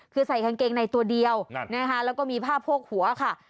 คือใส่กางเกงในตัวเดียวแล้วก็มีผ้าโพกหัวค่ะ